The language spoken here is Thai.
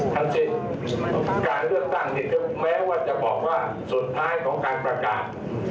ทั้งสิ้นการเลือกตั้งแม้ว่าจะบอกว่าสุดท้ายของการประกาศ